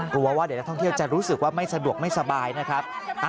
กลัวว่าเดี๋ยวนักท่องเที่ยวจะรู้สึกว่าไม่สะดวกไม่สบายนะครับ